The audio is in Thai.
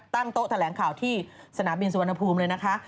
ตั้งโต๊ะแถลงข่าวที่สนามบินสุวรรณภูมิเลยนะคะ